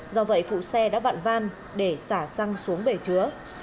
do vậy phụ xe đã vạn van để xả xăng xuống bể chứa